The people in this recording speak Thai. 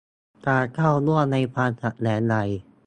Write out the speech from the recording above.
การเข้าร่วมในความขัดแย้งใด